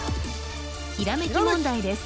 ひらめき問題です